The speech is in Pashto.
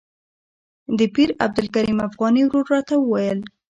د پیر عبدالکریم افغاني ورور راته وویل.